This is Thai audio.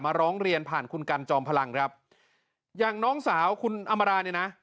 ร้องเรียนผ่านคุณกันจอมพลังครับอย่างน้องสาวคุณอำมาราเนี่ยนะ